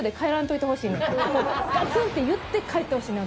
ガツンッ！って言って帰ってほしいねん